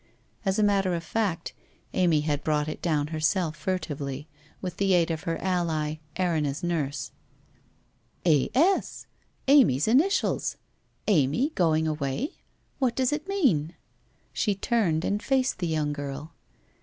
As a matter of fact, Amy had brought it down herself furtively, with the aid of her ally, Erinna's nurse. ' A. S. Amy's initials ! Amy going away ? What does it mean ?' She turned and faced the young girl.